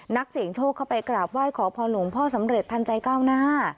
นักเสี่ยงโชคเข้าไปกราบไหว้ขอพรหลวงพ่อสำเร็จทันใจก้าวหน้า